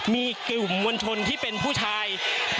มีกลุ่มมวลชนที่เป็นผู้ชาย